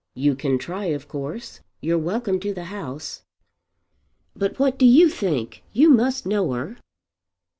"You can try of course. You're welcome to the house." "But what do you think? You must know her."